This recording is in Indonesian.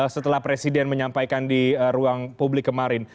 setelah presiden menyampaikan di ruang publik kemarin